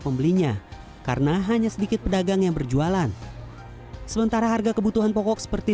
pembelinya karena hanya sedikit pedagang yang berjualan sementara harga kebutuhan pokok seperti